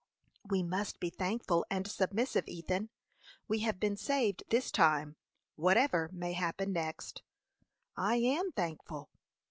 "We must be thankful and submissive, Ethan. We have been saved this time, whatever may happen next." "I am thankful."